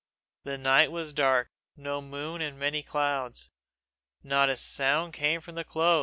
The night was dark no moon and many clouds. Not a sound came from the close.